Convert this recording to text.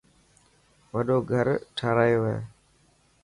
وڏو گهر ٺارايو هي.